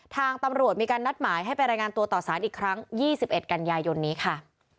ทางตำรวจมีการนัดหมายให้ไปรายงานตัวต่อสารอีกครั้ง๒๑กันยายนนี้ค่ะ